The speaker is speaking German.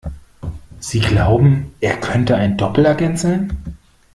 Sie glauben, er könnte ein Doppelagent sein?